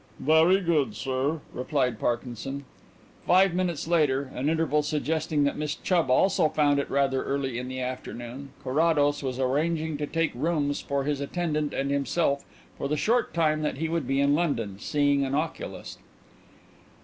"Very good, sir," replied Parkinson. Five minutes later, an interval suggesting that Miss Chubb also found it rather early in the afternoon, Carrados was arranging to take rooms for his attendant and himself for the short time that he would be in London, seeing an oculist.